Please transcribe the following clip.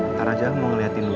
ntar aja mau ngeliatin dulu